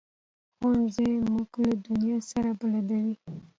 ښوونځی موږ له دنیا سره بلدوي